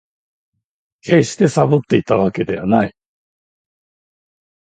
決してサボっていたわけではない